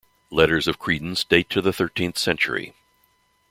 Letters of credence date to the thirteenth century.